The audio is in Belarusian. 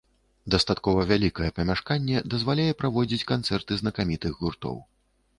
Дастаткова вялікае памяшканне дазваляе праводзіць канцэрты знакамітых гуртоў.